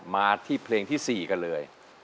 มาที่เพลงที่๔กันเลย